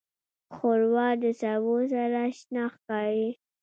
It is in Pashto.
ښوروا د سبو سره شنه ښکاري.